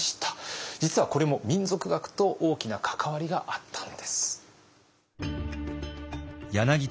実はこれも民俗学と大きな関わりがあったんです。